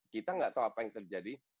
kita nggak tahu apa yang terjadi